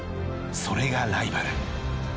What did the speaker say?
それがライバル。